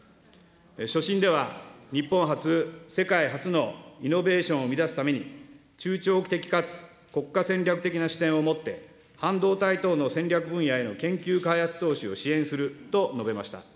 所信では、日本発、世界初のイノベーションを生み出すために、中長期的かつ国家戦略的な視点を持って、半導体等の戦略分野への研究開発投資を支援すると述べました。